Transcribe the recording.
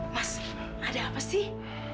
mas ada apa sih